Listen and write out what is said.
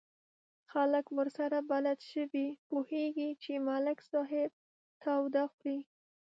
خلک ورسره بلد شوي، پوهېږي چې ملک صاحب تاوده خوري.